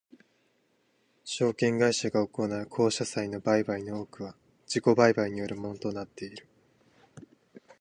証券会社が行う公社債の売買の多くは自己売買によるものとなっている。